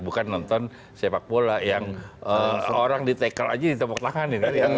bukan nonton sepak bola yang orang ditekel aja ditepuk tangan